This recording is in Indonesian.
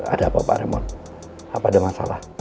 ada apa pak remo apa ada masalah